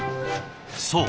そう。